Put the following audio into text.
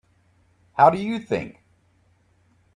How do you think?